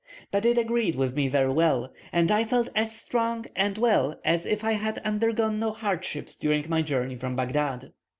But it agreed with me very well, and I felt as strong and well as if I had undergone no hardships during my journey from Baghdad.